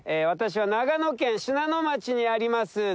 私は長野県信濃町にあります